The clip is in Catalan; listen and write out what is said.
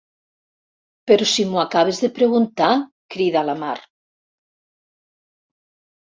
Però si m'ho acabes de preguntar! —crida la Mar—.